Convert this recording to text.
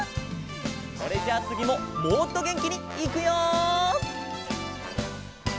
それじゃあつぎももっとげんきにいくよ。